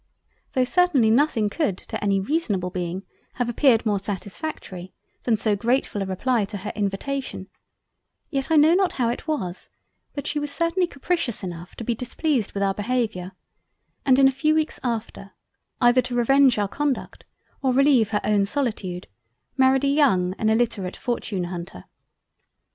Tho' certainly nothing could to any reasonable Being, have appeared more satisfactory, than so gratefull a reply to her invitation, yet I know not how it was, but she was certainly capricious enough to be displeased with our behaviour and in a few weeks after, either to revenge our Conduct, or releive her own solitude, married a young and illiterate Fortune hunter.